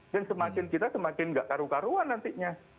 dan semakin kita semakin enggak karu karuan nantinya